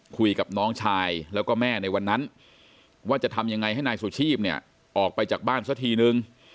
คุยกับน้องชายแล้วก็แม่ในวันนั้นว่าจะทำยังไงให้นายสุชีพเนี่ยออกไปจากบ้านซะทีนึง